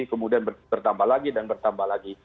kemudian bertambah lagi dan bertambah lagi